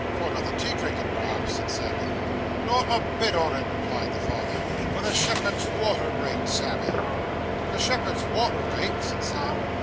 'For another tea drinkin', perhaps,' said Sam. 'Not a bit on it,' replied the father; 'for the shepherd's water rate, Sammy.' 'The shepherd's water rate!' said Sam.